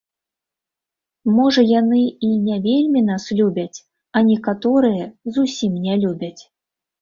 Можа яны і не вельмі нас любяць, а некаторыя зусім не любяць.